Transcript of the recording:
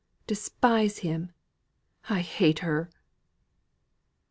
Despise him! I hate her!"